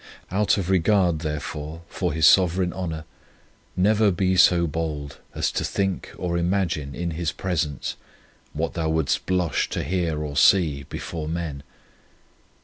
Out of regard, therefore, for His sovereign honour, never be so bold as to think or imagine in His presence what thou wouldst blush to hear or see before men.